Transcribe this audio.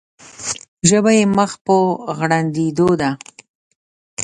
ژبه یې مخ پر غړندېدو ده.